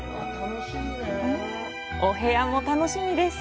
お部屋も楽しみです。